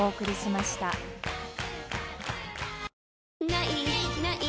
「ない！ない！